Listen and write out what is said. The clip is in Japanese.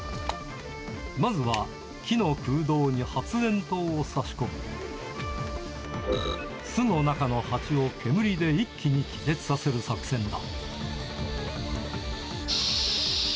まずは、木の空洞に発煙筒を差し込み、巣の中のハチを煙で一気に気絶させる作戦だ。